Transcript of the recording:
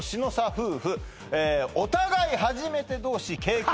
夫婦お互い初めて同士経験